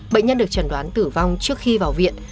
bệnh nhân được chẩn đoán tử vong trước khi vào viện